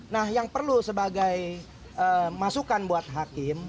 nah yang perlu sebagai masukan buat hakim